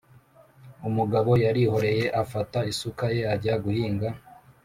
umugabo yarihoreye afata isuka ye ajya guhinga